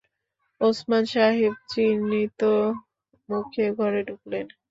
ওসমান সাহেব চিন্তিত মুখে ঘরে ঢুকলেন।